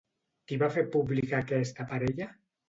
Qui va fer pública aquesta parella?